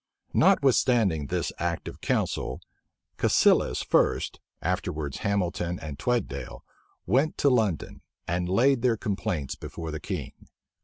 Notwithstanding this act of council, Cassilis first, afterwards Hamilton and Tweddale, went to London, and laid their complaints before the king.